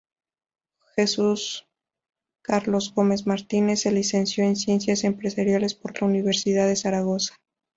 Jesús Carlos Gómez Martínez se licenció en Ciencias Empresariales por la Universidad de Zaragoza.